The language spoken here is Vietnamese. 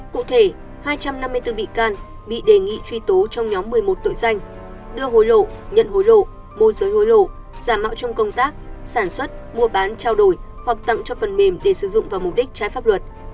cụ thể hai trăm năm mươi bốn bị can bị đề nghị truy tố trong nhóm một mươi một tội danh đưa hối lộ nhận hối lộ môi giới hối lộ giả mạo trong công tác sản xuất mua bán trao đổi hoặc tặng cho phần mềm để sử dụng vào mục đích trái pháp luật